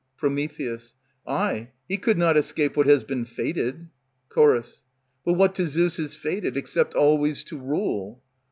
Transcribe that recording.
Pr. Ay, he could not escape what has been fated. Ch. But what to Zeus is fated, except always to rule?